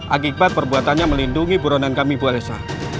akibat perbuatannya melindungi peronan kami bu alisa